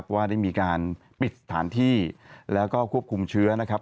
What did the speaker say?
ว่าได้มีการปิดสถานที่แล้วก็ควบคุมเชื้อนะครับ